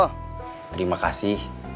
halo terima kasih